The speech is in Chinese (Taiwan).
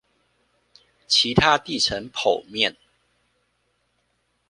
其地層剖面